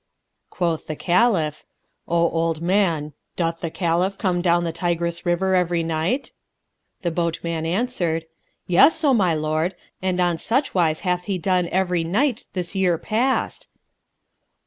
Quoth the Caliph, "O old man, doth the Caliph come down the Tigris river every night?" The boatman answered, "Yes, O my lord; and on such wise hath he done every night this year past."